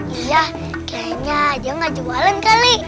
iya kayaknya aja gak jualan kali